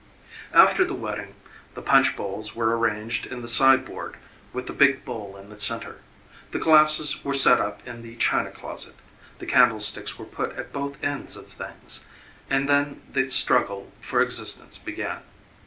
After the wedding the punch bowls were arranged in the sideboard with the big bowl in the centre; the glasses were set up in the china closet; the candlesticks were put at both ends of things and then the struggle for existence began.